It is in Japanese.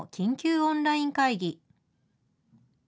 オンライン会議。